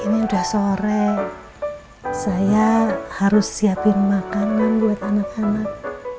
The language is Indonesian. ini sudah sore saya harus siapin makanan buat anak anak